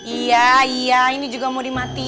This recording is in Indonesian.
iya iya ini juga mau dimati